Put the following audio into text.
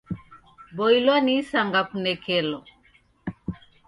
Boilwa ni isanga kunekelo